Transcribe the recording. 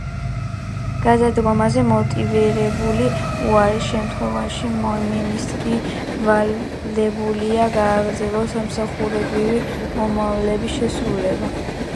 გადადგომაზე მოტივირებული უარის შემთხვევაში მინისტრი ვალდებულია გააგრძელოს სამსახურებრივი მოვალეობის შესრულება.